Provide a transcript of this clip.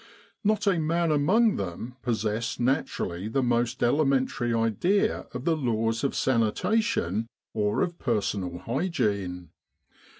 Not a man among them possessed naturally the most elementary idea of the laws of sanitation or of personal hygiene.